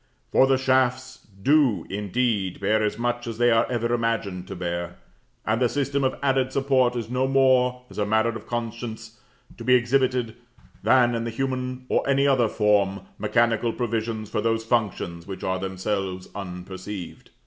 For the shafts do, indeed, bear as much as they are ever imagined to bear, and the system of added support is no more, as a matter of conscience, to be exhibited, than, in the human or any other form, mechanical provisions for those functions which are themselves unperceived.